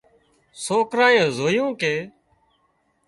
سوڪرانئي زويُون ڪي